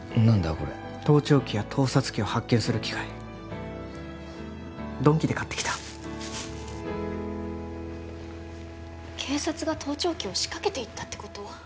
これ盗聴器や盗撮器を発見する機械「ドンキ」で買ってきた警察が盗聴器を仕掛けていったってこと！？